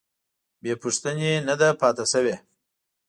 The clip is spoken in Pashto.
بې پوښتنې نه ده پاتې شوې.